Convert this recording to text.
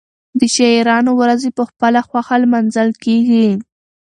د شاعرانو ورځې په خپله خوښه لمانځل کېږي.